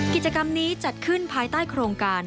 กิจกรรมนี้จัดขึ้นภายใต้โครงการ